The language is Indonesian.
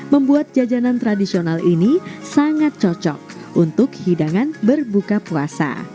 membuat jajanan tradisional ini sangat cocok untuk hidangan berbuka puasa